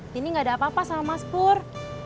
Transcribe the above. tini nggak ada apa apa sama mas pur